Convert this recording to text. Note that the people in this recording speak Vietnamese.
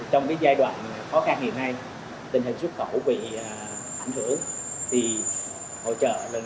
trong giai đoạn khó khăn hiện nay tình hình xuất khẩu bị ảnh hưởng